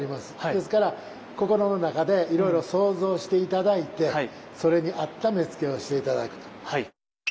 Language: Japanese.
ですから心の中でいろいろ想像して頂いてそれに合った目付をして頂くと。